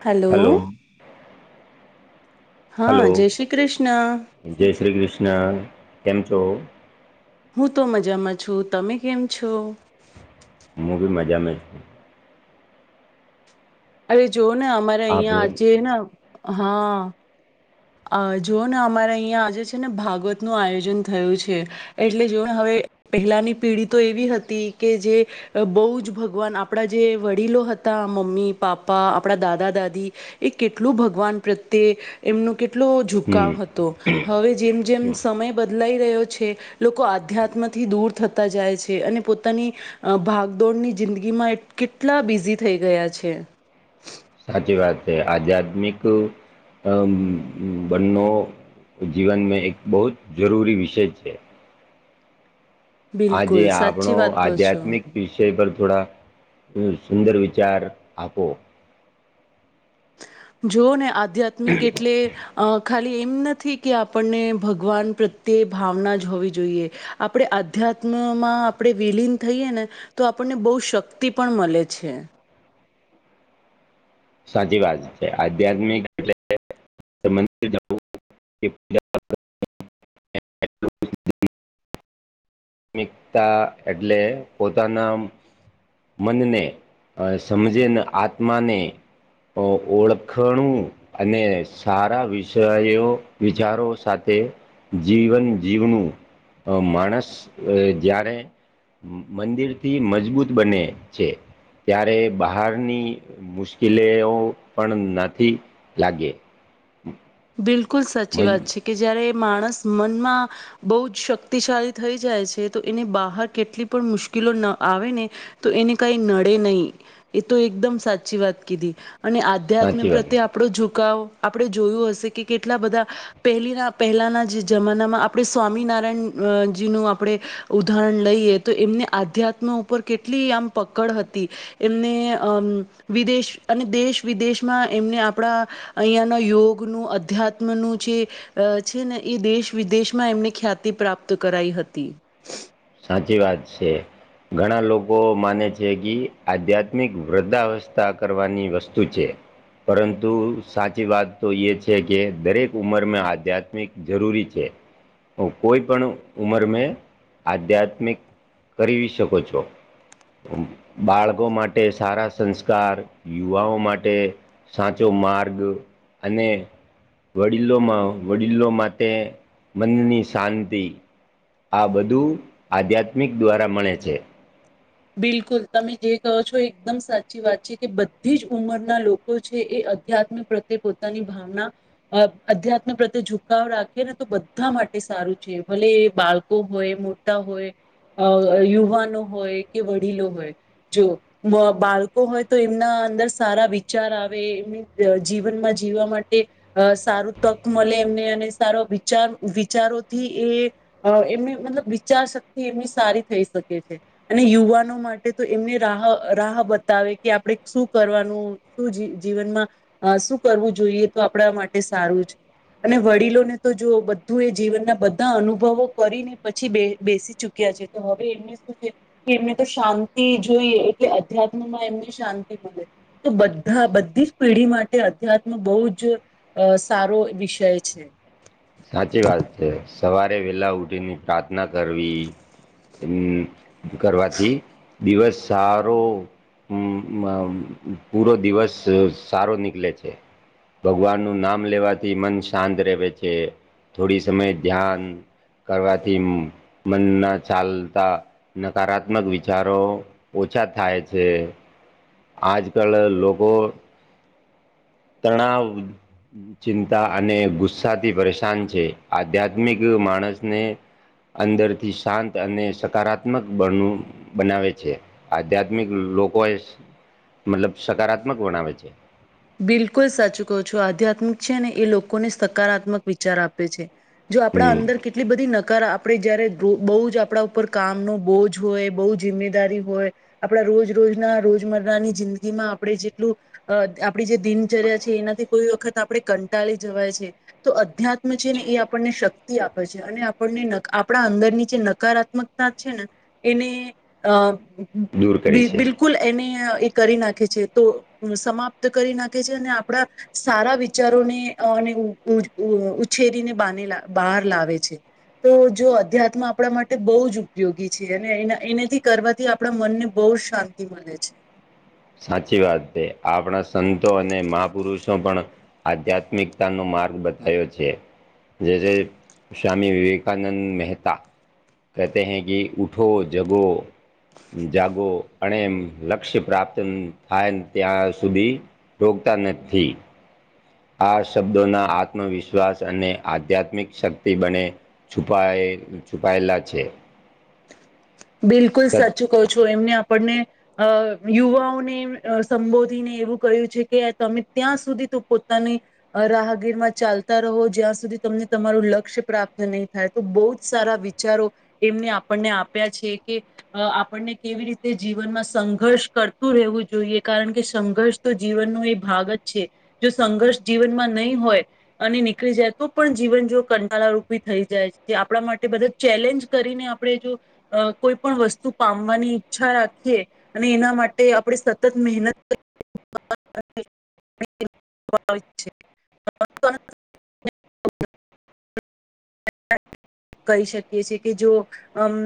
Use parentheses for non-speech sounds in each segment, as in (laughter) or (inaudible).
Hello? હા hello જય શ્રી કૃષ્ણ. જય શ્રી કૃષ્ણ તેમ છો.? હું તો મજામાં છું તમે કેમ છો.? હું મજામાં છે. અરે જો ને, અમારે આપ અહિયાં હમ આજે ને હા જુઓ ને અમારે અહીંયા આજે છે ને ભાગવતનું આયોજન થયું છે. એટલે જો હવે પહેલાની પેઢી તો એવી હતી કે જે બહુ જ ભગવાન આપણા જે વડીલો હતા, મમ્મી, પાપા આપણા દાદા, દાદી એ કેટલું ભગવાન પ્રત્યે એમનો કેટલો ઝુકાવ હતો. હવે જેમ જેમ હમ, સમય બદલાઈ રહ્યો છે. લોકો આધ્યાત્મથી દૂર થતા જાય છે અને પોતાની અ ભાગદોડની જિંદગી માં કેટલા બિઝી થઈ ગયા છે. સાચી વાત છે આધ્યાત્મિક બનનો જીવનમાં એક બહુ જ જરૂરી વિષય છે. આજે બિલકુલ આપણો સાચી વાત કહો છો આધ્યાત્મિક વિષય પર થોડા સુંદર વિચાર આપો. જુઓ ને આધ્યાત્મિક એટલે અ ખાલી એમ નથી કે, આપણને ભગવાન પ્રત્યે ભાવના જ હોવી જોઈએ. આપણે આધ્યાત્મમાં આપણે વિલીન થઈએ ને તો આપણને બહુ શક્તિ પણ મળે છે. સાચી વાત છે આધ્યાત્મિક એટલે મિું પ્રાથમિકતા એટલે પોતાના મનને સમજેને આત્માને અ ઓળખણું અને સારા વિષયો વિચારો સાથે જીવન જીવનું માણસ જ્યારે. મંદિર થી મજબૂત બને છે ત્યારે બહારની મુશ્કેલીઓ પણ નથી લાગે બિલકુલ સાચી મજ વાત છે કે જય્યારે માણસ મનમાં બહુ જ શક્તિશાળી થઈ જાય છે તો એને બહાર કેટલી પણ મુશ્કેલો ન આવે ને તો એને કઈ નડે નહીિ એ તો એકદમ સાચી વાત કીધી અને આધ્યાત્મિક સાચી વાત પ્રત્યે આપણો ઝુકાવ આપણે જોયું હશે કે કેટલા બધા પહેલીના પહેલાના જમાનામાં આપણે સ્વામિનારાયણજીનું આપણે ઉદાહરણ લઈએ તો એમને આધ્યાત્મ ઉપર કેટલી આમ પકડ હતી એમને અમ વિદેશ અને દેશ વિદેશમાં એમને આપણા અહીયાના યોગનું અધ્યાત્મનું જે છે ને એ દેશ વિદેશમાં એમને ખ્યાતિ પ્રાપ્ત કરાઈ હતી સાચી વાત છે ઘણા લોકો માને છે કે આધ્યાત્મિક વૃદ્ધાવસ્થા કરવાની વસ્તુ છે પરંતુ સાચી વાત તો એ છે કે દરેક ઉંમર મેં આધ્યાત્મિક જરૂરી છે કોઈ પણ ઉમર મે આધ્યાત્મિક કરી શકો છો બાળકો માટે સારા સંસ્કાર યુવાઓ માટે સાચો માર્ગ અને વડીલોમાં વડીલો માટે તે મનની શાંતિ આ બધું આધ્યાત્મિક દ્વારા મળે છે બિલકુલ તમે જે કહો છો એકદમ સાચી વાત છે કે બધી જ ઉંમરના લોકો છે એ આધ્યાત્મિક પ્રત્યે પોતાની ભાવના અધ્યાત્મ પ્રત્યે ઝુકાવ રાખે ને તો બધા માટે સારું છે ભલે બાળકો હોય હોય અ યુવાનો હોય કે વડીલો હોય જો બાળકો હોય તો એમના અંદર સારા વિચાર આવે એમની જીવનમાં જીવવા માટે અ સારું તક મળે એમને અને સારો વિચાર વિચારોથી એ અ એમની મતલબ વિચાર શક્તિ એમની સારી થઈ શકે છે અને યુવાનો માટે તો એમને રાહ રાહ બતાવે કે આપણે શું કરવાનું શું જીવનમાં શું કરવું જોઈએ તો આપણા માટે સારું છે અને વડીલોને તો જો બધું એ જીવનના બધા અનુભવો કરીને પછી બે બેસી ચૂકી છે તો હવે એમને શું છે કે એમને તો શાંતિ જોઈએ એટલે અધ્યાત્મમાં એમને શાંતિ મળે તો બધા બધી જ પેઢી માટે અધ્યાત્મ બહુ જ અ સારો વિષય છે સાચી વાત છે સવારે વેલા ઉઠીને પ્રાર્થના કરવી કરવાથી દિવસ સારો હ પૂરો દિવસ સારો નીકળે છે ભગવાન નું નામ લેવાથી મન શાંત રહે છે થોડી સમય ધ્યાન કરવાથી મન ના ચાલતા નકારાત્મક વિચારો ઓછા થાય છે આજ કલ લોકો તણાવ ચિંતા અને ગુસ્સાથી પરેશાન છે આધ્યાત્મિક માણસને અંદરથી શાંત અને સકારાત્મક બનુ બનાવે છે આધ્યાત્મિક લોકો એ મતલબ સકારાત્મક બનાવે છે બિલકુલ સાચું કહો છો આધ્યાત્મિક છે ને એ લોકોને સકારાત્મક વિચાર આપે છે જો આપણા હમ અંદર કેટલી બધી નકાર આપ આપણે જયારે બહુ જ આપણા ઉપર કામનો બોજ હોય બહુ જિમ્મેદારી હોય આપણા રોજ રોજના રોજમરાની જિંદગીમાં આપણે જેટલું અ આપણી જે દિનચર્યા છે એનાથી કોઈ વખત આપણે કંટાળી જવાય છે. તો અધ્યાત્મ છે ને એ આપણને શક્તિ આપે છે અને આપણને આપણા અંદરની જે નકારાત્મક તા છે ને એને અ દૂર કરી બિલ છે બિલકુલ એને એ કરી નાખે છે તો સમાપ્ત કરી નાખે છે અને આપડા સારા વિચારોને અને ઉછેરીનેને બાને બહાર લાવે છે. તો જો અધ્યાત્મ આપણા માટે બહુ જ ઉપયોગી છે, અને એના એનાથી કરવાથી આ આપણા મનને બહુ શાંતિ મળે છે. સાચી વાત છે, આપણા સંતો અને મહાપુરુષો પણ આધ્યાત્મિકતાનો માર્ગ બતાવયો છે. જે જે સ્વામી વિવેકાનંદ મહેતા કહે તે હૈ કે ઊઠો જગો જાગો અને એમ લક્ષ્ય પ્રાપ્ત થાયને ત્યાં સુધી રોકતા નથી. આ શબ્દોના આત્મવિશ્વાસ અને આધ્યાત્મિક શક્તિ બને. છુપાય છુપાયેલા છે. બિલકુલ સત સાચુ કહો છો એમને આપણને અ યુવાઓને સંબોધીને એવું કહ્યું છે કે તમે ત્યાં સુધી તો પોતાની રાહગીર માં ચાલતા રહો જ્યાં સુધી તમને તમારું લક્ષ્ય પ્રાપ્ત નહીં થાય. તો બહુ જ સારા વિચારો એમને આપણને આપ્યા છે કે અ આપણને કેવી રીતે જીવનમાં સંઘર્ષ કરતું રહેવું જોઈએ કારણ કે સંઘર્ષ તો જીવનનો એ ભાગ જ છે જો સંઘર્ષ જીવનમાં નહીં હોય અને નીકળી જાય તો પણ જીવન જો કંટલા રૂપી થઈ જાય જે આપણા માટે બધા ચેલેન્જ કરીને આપણે જો અ કોઈ પણ વસ્તુ પામવાની ઈચ્છા રાખીએ. અને એના માટે આપણે સતત મહેનત (unintelligible) (unintelligible) કહી શકીએ છીએ કે જો અમ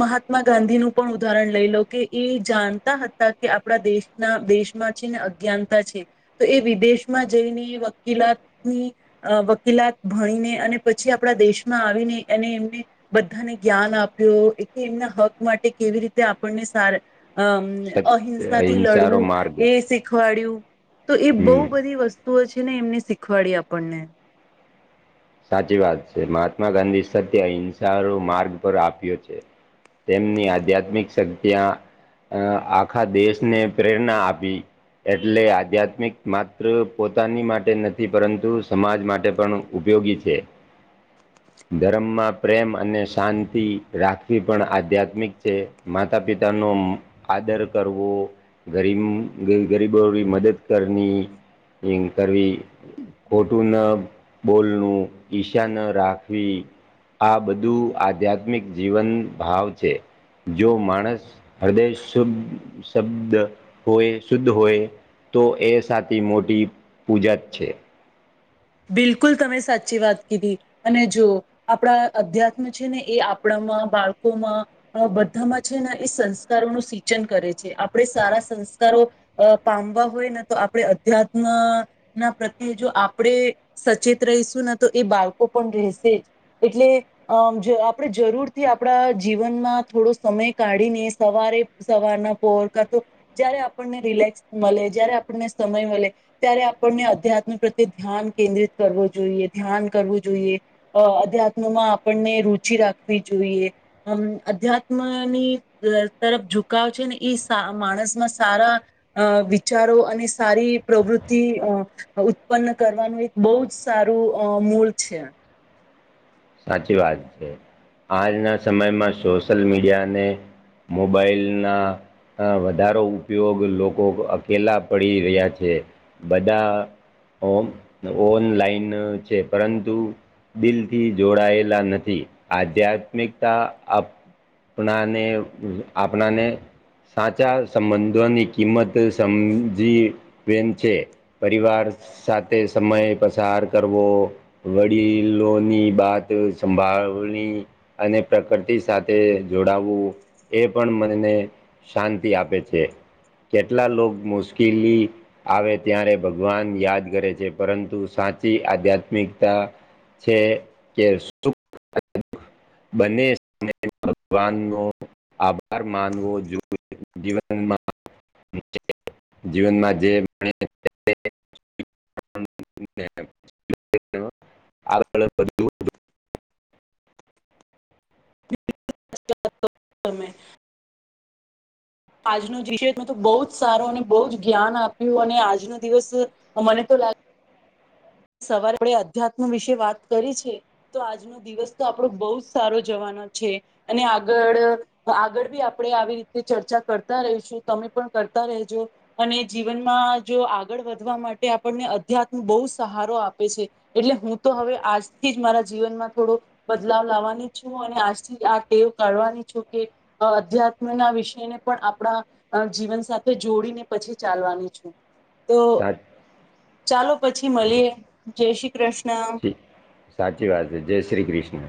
મહાત્મા ગાંધી નું પણ ઉદાહરણ લઈ લો કે એ જાણતા હતા કે આપણા દેશ ના દેશમાં છે ને અજ્ઞાનતા છે તો એ વિદેશમાં જઈને વકીલાતની અ વકીલાત ભણીને અને પછી આપણા દેશમાં આવીને એને એમને બધાને જ્ઞાન આપ્યું એટલે એમના હક માટે કેવી રીતે આપણને સાર અમ સત્ય અહિંસાથી અહિંસારો લડવું માર્ગ એ શીખવાડ્યું તો એ બહુ હમ બધી વસ્તુ સ્તુઓ છે ને એમને શીખવાડી આપણને સાચી વાત છે મહાત્મા ગાંધી સત્ય અહિંસો માર્ગ પર આપ્યો છે. તેમની આધ્યાત્મિક શક્ત્યા અ આખા દેશને પ્રેરણા આપી. એટલે આધ્યાત્મિક માત્ર પોતાની માટે નથી પરંતુ સમાજ માટે પણ ઉપયોગી છે. ધર્મમાં પ્રેમ અને શાંતિ રાખવી પણ આધ્યાત્મિક છે. માતા પિતા નો આદર કરવો ગરીમ ગરીબોની મદદ કરની કરવી ખોટું ન બોલનું ઈશા ન રાખવી. આ બધું આધ્યાત્મિક જીવન ભાવ છે. જો માણસ હૃદય શુ શબ્દ હોય શુદ્ધ હોય તો એ સાચી મોટી પૂજા છે. બિલકુલ તમે સાચી વાત કીધી. અને જો આપણા અધ્યાત્મ છે ને એ આપણામાં બાળકોમાં અ બધામાં છે, ને એ સંસ્કારોનું સિંચન કરે છે, આપડે સારા સંસ્કારો અ પામવા હોયને તો આપડે અધ્યાત્મ ના પ્રત્યે જો આપડે સચેત રહીશું ના તો એ બાળકો પણ રહેશે જ એટલે અમ આપણે જરૂરથી આપણા જીવનમાં થોડો સમય કાઢીને સવારે. સવારના પોર કા તો જય્યારે આપણને રિલેક્સ મળે જય્યારે આપણને સમય મળે. ત્યારે આપણને અધ્યાત્મ પ્રત્યે ધ્યાન કેન્દ્રિત કરવું જોઈએ ધ્યાન કરવું જોઈએ. અ અધ્યાત્મમાં આપણે રુચિ રાખવી જોઈએ, અમ અધ્યાત્મની તરફ ઝુકાવ છે ને માણસ માં સારા અ વિચારો અને સારી પ્રવૃતિ ઉત્પન્ન કરવાનું એક બહુ જ સારું અ મૂલ છે. સાચી વાત છે આજના સમયમાં સોશિયલ મીડિયાને મોબાઈલ ના. અ વધારો ઉપયોગ લોકો અકેલા પડી રહ્યા છે બધા ઓનલાઈન છે પરંતુ દી લથી જોડાયેલા નથી આધ્યાત્મિકતા આપણાને આપણાને. સાચા સંબંધોની કિંમત સમજા વે છે. પરિવાર સાથે સમય પસાર કરવો વડીલોની વાત સાંભળવી અને પ્રકૃતિ સાથે જોડવું. એ પણ મનેને શાંતિ આપે છે, કેટલા લોકો મુશ્કેલી આવે ત્યારે ભગવાન યાદ કરે છે પરંતુ સાચી આધ્યાત્મિકતા છે કેશ તુ. બને ભગવાન નો આભાર માનવો જોઈ. જીવનમાં જીવનમાં જે મળે તે (inaudible) (inaudible) મે (unintelligible) આજનો દિવસેમાં તો બહુ જ સારો અને બહુ જ જ્ઞાન આપ્યું અને આજનો દિવસ મને તો લાગે સવારે મને અધ્યાત્મ વિશે વાત કરી છે તો આજનું દિવસ તો આપડો બહુ જ સારો જવાનો છે, અને આગળ આગળ બી આપણેે આવી રીતે ચર્ચા કરતા રહીશું તમે પણ કરતા રહેજો. અને જીવનમાં જો આગળ વધવા માટે આપણને અધ્યાત્મ બહુ સહારો આપે છે, એટલે હું તો હવે આજથી જ મારા જીવનમાં થોડો બદલાવ લાવવાની છું અને આજથી આ ટેવ કાઢવાની છું કે અ અધ્યાત્મ ના વિષયને પણ આપણા અ જીવન સાથે જોડીને પછી ચાલવાનું છે. તો સાચી ચાલો પછી મળીએ જય શ્રી કૃષ્ણ. સાચી વાત છે જય શ્રી કૃષ્ણ.